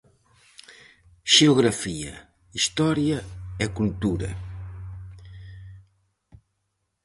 Xeografía, historia e cultura.